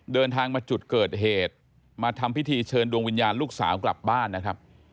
เดินทางมาจุดเกิดเหตุมาทำพิธีเชิญดวงวิญญาณลูกสาวกลับบ้านนะครับ